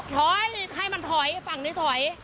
ถอยให้มันถอยฝั่งนี้ถอย